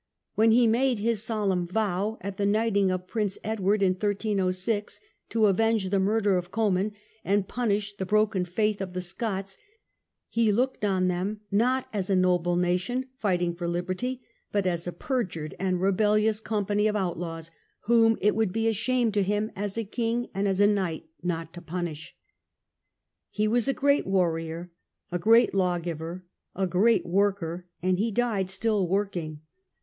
" When he made his solemn vow, at the knighting of Prince Edward in 1306, to avenge the murder of Comyn and punish the broken faith of the Scots, he looked on them not as a noble nation fighting for liberty, but as a perjured and rebellious company (J outlaws, whom it would be a shame to him as a king and as a knight not to punish." He was a great warrior, a great lawgiver, a great worker, arid he died still working.